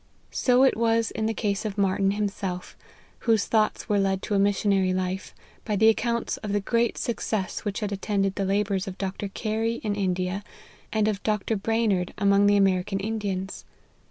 So it was in the case of Martyn himself, whose thoughts were led to a missionary life, by the accounts of the great success which had attended the labours of Dr. Carey in India, and of David Brainerd among the American Indians.